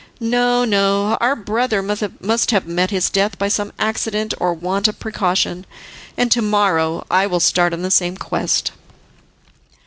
No, no, our brother must have met his death by some accident, or want of precaution, and to morrow I will start on the same quest."